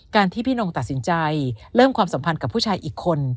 ที่พี่นงตัดสินใจเริ่มความสัมพันธ์กับผู้ชายอีกคน